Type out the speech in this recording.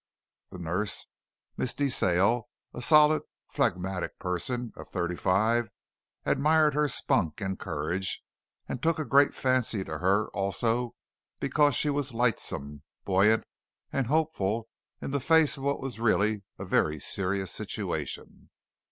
The nurse, Miss De Sale, a solid, phlegmatic person of thirty five, admired her spunk and courage and took a great fancy to her also because she was lightsome, buoyant and hopeful in the face of what was really a very serious situation.